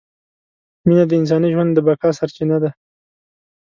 مینه د انساني ژوند د بقاء سرچینه ده!